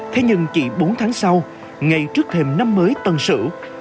thế nhưng chỉ bốn tháng sau ngày trước thêm năm mới tân sự